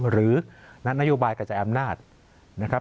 หรือนโยบายกระจายอำนาจนะครับ